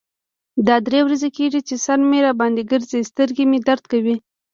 دا درې ورځې کیږی چې سر مې را باندې ګرځی. سترګې مې درد کوی.